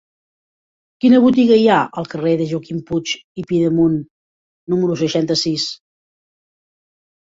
Quina botiga hi ha al carrer de Joaquim Puig i Pidemunt número seixanta-sis?